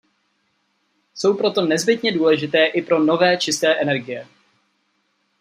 Jsou proto nezbytně důležité i pro nové čisté energie.